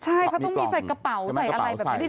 ใช่เพราะมีไส้กระเป๋าใส่อะไรแบบนี้